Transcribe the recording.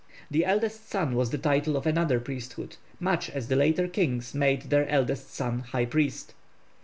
The Eldest Son was the title of another priesthood, much as the later kings made their eldest son high priest.